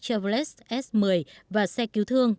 chevrolet s một mươi và xe cứu thương